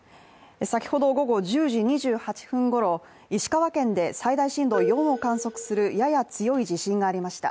先ほど午後１０時２８分ごろ、石川県で最大震度４を観測するやや強い地震がありました。